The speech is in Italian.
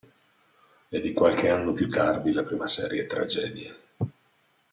È di qualche anno più tardi la prima seria tragedia.